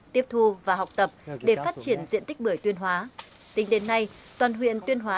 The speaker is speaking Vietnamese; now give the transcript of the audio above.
tính đến nay toàn huyện tuyên hóa